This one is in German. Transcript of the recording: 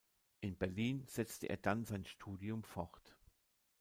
In Berlin setzte er dann sein Studium fort.